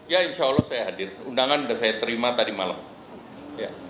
ya insya allah saya hadir undangan sudah saya terima tadi malam